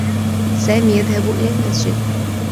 سامي يذهب إلى المسجد.